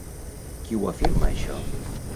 Qui ho afirma això?